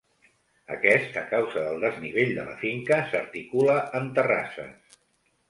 Aquest, a causa del desnivell de la finca, s'articula en terrasses.